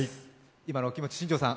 今のお気持ち、新庄さん？